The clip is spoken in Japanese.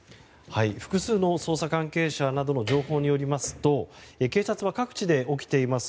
複数の捜査関係者などの情報によりますと警察は各地で起きています